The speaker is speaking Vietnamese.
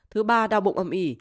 thứ ba đau bụng âm ỉ